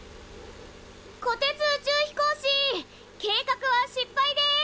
こてつ宇宙飛行士計画は失敗です！